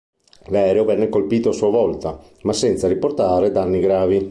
L'aereo venne colpito a sua volta ma senza riportare danni gravi.